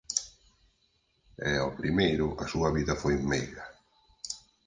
E ó primeiro a súa vida foi meiga.